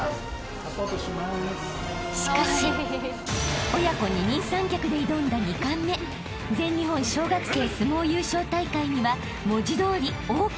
［しかし親子二人三脚で挑んだ２冠目全日本小学生相撲優勝大会には文字通り］